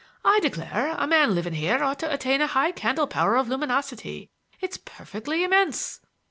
I declare, a man living here ought to attain a high candle power of luminosity. It's perfectly immense."